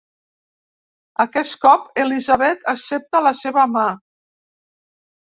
Aquest cop, Elizabeth accepta la seva mà.